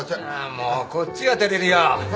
もうこっちが照れるよ。